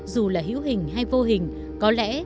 dù là hữu hình hay vô hình có lẽ